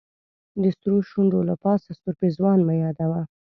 د سرو شونډو له پاسه سور پېزوان مه یادوه.